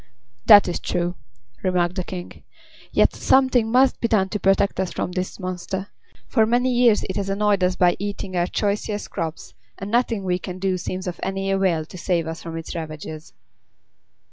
"That is true," remarked the King. "Yet something must be done to protect us from this monster. For many years it has annoyed us by eating our choicest crops, and nothing we can do seems of any avail to save us from its ravages."